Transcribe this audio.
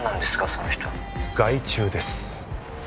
その人害虫です